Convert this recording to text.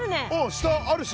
下あるし。